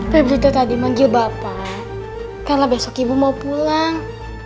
pemirsa tadi manggil bapak karena besok ibu mau pulang